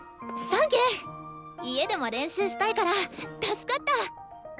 家でも練習したいから助かった。